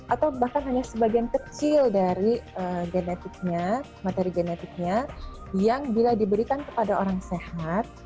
atau bahkan hanya sebagian kecil dari genetiknya materi genetiknya yang bila diberikan kepada orang sehat